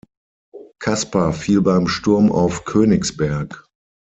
Kasper fiel beim Sturm auf Königsberg.